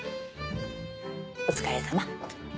お疲れさま。